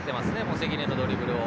関根のドリブルを。